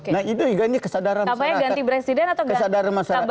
nah itu ganti kesadaran masyarakat